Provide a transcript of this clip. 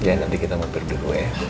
iya nanti kita mampir dulu ya